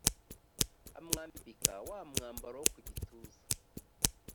amwambika wa mwambaro wo ku gituza